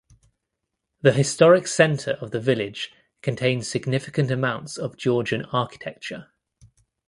The historic centre of the village contains significant amounts of Georgian architecture.